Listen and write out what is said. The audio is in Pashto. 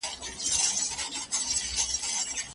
دا زمونږ د سترګو وړاندې غني ګوره څه تېرېږي